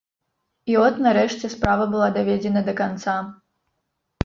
І от нарэшце справа была даведзена да канца.